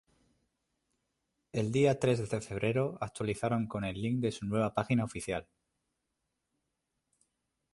El día tres de Febrero actualizaron con el link de su nueva página oficial.